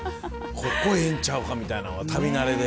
ここええんちゃうかみたいな旅慣れで。